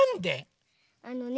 あのね